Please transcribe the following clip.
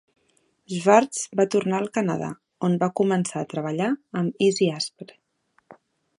Schwarts va tornar al Canadà, on va començar a treballar amb Izzy Asper.